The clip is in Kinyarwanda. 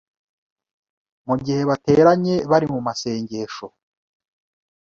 mu gihe bateranye bari mu masengesho,